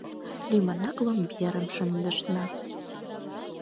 Лӱмынак ломберым шындышна.